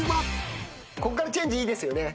こっからチェンジいいですよね。